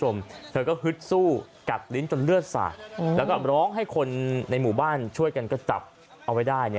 แล้วก็ร้องให้คนในหมู่บ้านช่วยกันก็จับเอาไว้ได้